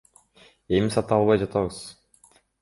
Эми сата албай жатабыз.